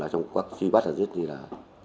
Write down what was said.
truy bắt rất là